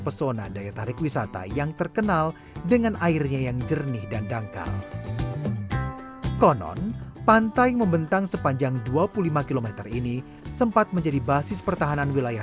kayak sekarang kayak di negara aslinya